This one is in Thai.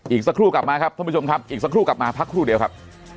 อีกสักครู่กลับมาครับท่านผู้ชมครับอีกสักครู่กลับมาพักครู่เดียวครับ